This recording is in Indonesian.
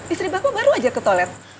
istri bapak baru aja ke toilet